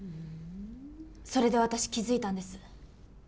それで私気づいたんです。